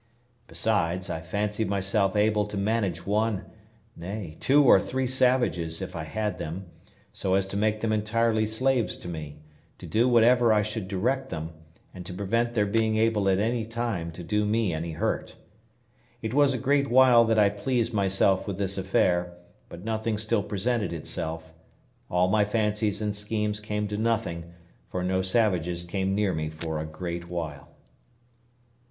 Besides, I fancied myself able to manage one, nay, two or three savages, if I had them, so as to make them entirely slaves to me, to do whatever I should direct them, and to prevent their being able at any time to do me any hurt. It was a great while that I pleased myself with this affair; but nothing still presented itself; all my fancies and schemes came to nothing, for no savages came near me for a great while.